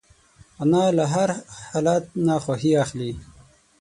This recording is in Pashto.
انا له هر حالت نه خوښي اخلي